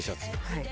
はい。